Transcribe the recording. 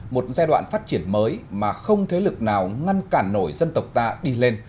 một giai đoạn phát triển mới mà không thế lực nào ngăn cản nổi dân tộc ta đi lên